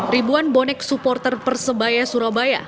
ribuan bonek supporter persebaya surabaya